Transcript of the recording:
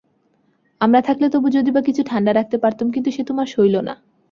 আমরা থাকলে তবু যদি-বা কিছু ঠাণ্ডা রাখতে পারতুম, কিন্তু সে তোমার সইল না।